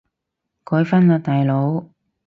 改返喇大佬